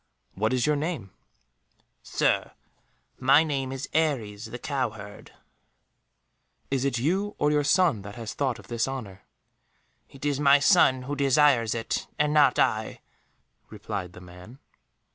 "What is your name?" "Sir, my name is Aries the cowherd." "Is it you or your son that has thought of this honour?" "It is my son who desires it, and not I," replied the man.